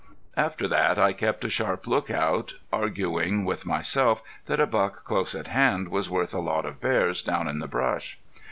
After that I kept a sharp lookout, arguing with myself that a buck close at hand was worth a lot of bears down in the brush.